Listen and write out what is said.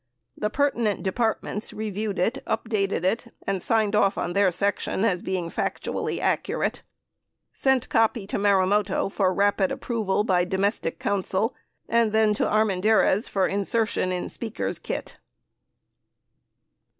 The pertinent de partments reviewed it, updated it and signed off on their sec tion as being factually accurate. Sent copy to Marumoto for rapid approval by Domestic Council and then to Armendariz for insertion in Speaker's kit.